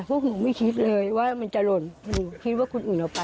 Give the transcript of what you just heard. พวกหนูไม่คิดเลยว่ามันจะหล่นหนูคิดว่าคนอื่นเอาไป